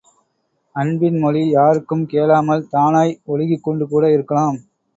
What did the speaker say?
அன்பின் மொழி யாருக்கும் கேளாமல் தானாய் ஒழுகிக் கொண்டு கூட இருக்கலாம்